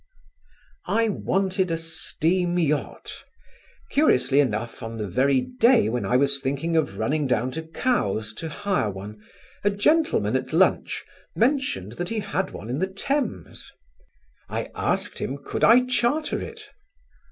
I wanted a steam yacht. Curiously enough on the very day when I was thinking of running down to Cowes to hire one, a gentleman at lunch mentioned that he had one in the Thames. I asked him could I charter it?